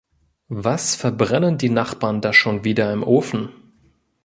Was verbrennen die Nachbarn da schon wieder im Ofen?